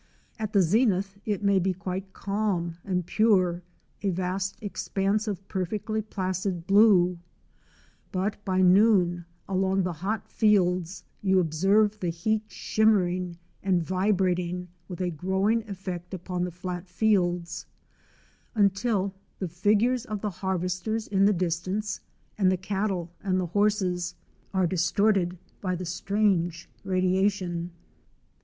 At the zenith it may be quite calm and pure, a vast expanse of perfectly placid blue, but by noon along the hot fields you observe the heat shimmering and vibrating with a growing effect upon the flat fields, until the figures of the harvesters in the distance, and the cattle and the horses, are distorted by the strange radiation.